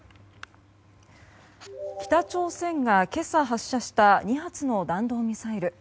北朝鮮が今朝発射した２発の弾道ミサイル。